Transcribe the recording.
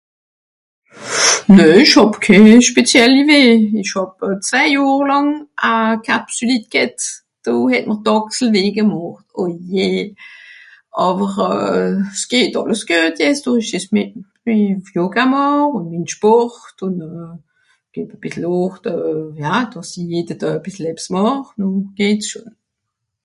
Nè ìch hàb ké spezielli weh. Ìch hàb zeh Johr làng a Capsulli ghet. Do het mr d'Àchsel Weh gemàcht, oh je. Àwer euh... s'geht àlles guet jetz (...) Yoga màch, ùn Sport, ùn euh... geh e bìssel (...) ja dàss i jede Doe e bìssel màch ùn, geht's schon.